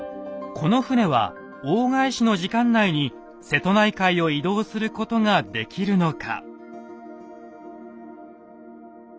この船は大返しの時間内に瀬戸内海を移動することができるのか。